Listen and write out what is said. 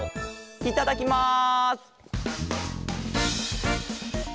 いただきます！